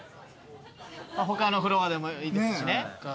他のフロアでもいいですしね。